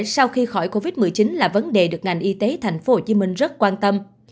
sau khi khỏi covid một mươi chín là vấn đề được ngành y tế tp hcm rất quan tâm